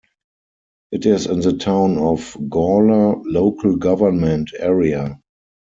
It is in the Town of Gawler local government area.